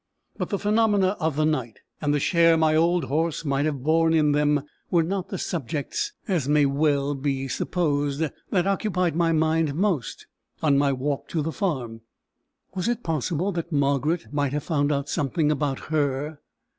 But the phenomena of the night, and the share my old horse might have borne in them, were not the subjects, as may well be supposed, that occupied my mind most, on my walk to the farm. Was it possible that Margaret might have found out something about _her?